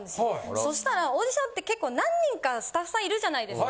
そしたらオーディションって何人かスタッフさんいるじゃないですか。